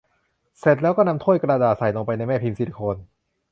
เสร็จแล้วก็นำถ้วยกระดาษใส่ลงไปในแม่พิมพ์ซิลิโคน